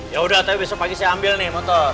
yaudah tapi besok pagi saya ambil nih motor